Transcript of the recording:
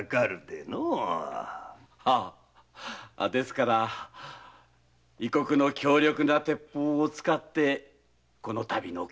ですから異国の強力な鉄砲を使ってこの度の計画を。